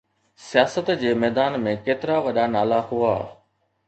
سياست جي ميدان ۾ ڪيترا وڏا نالا هئا؟